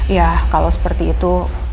ya kalo seperti itu